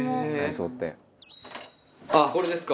あっこれですか！